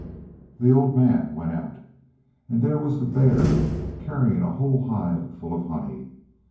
The old man went out, and there was the bear carrying a whole hive full of honey.